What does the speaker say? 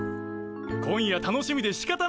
今夜楽しみでしかたないな。